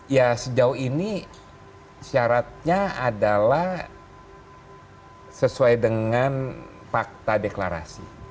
ya sejauh ini syaratnya adalah sesuai dengan fakta deklarasi